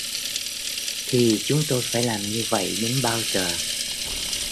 Thì chúng tôi phải làm như vậy đến bao giờ